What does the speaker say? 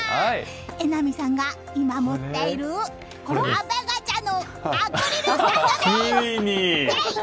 榎並さんが今持っている阿部ガチャのアクリルスタンドです！